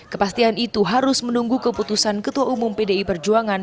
kepastian itu harus menunggu keputusan ketua umum pdi perjuangan